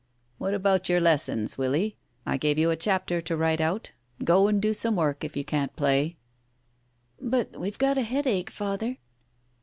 "What about your lessons? Willie, I gave you a chapter to write out. Go and do some work if you can't play." "But we've got a headache, Father."